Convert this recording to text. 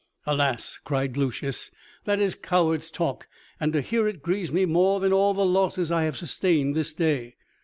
"Alas," cried Lucius, "that is coward's talk and to hear it grieves me more than all the losses I have sustained this day."